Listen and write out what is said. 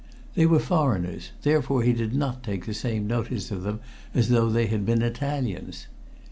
They were foreigners, therefore he did not take the same notice of them as though they had been Italians.